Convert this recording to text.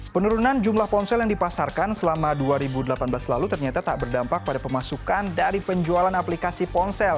penurunan jumlah ponsel yang dipasarkan selama dua ribu delapan belas lalu ternyata tak berdampak pada pemasukan dari penjualan aplikasi ponsel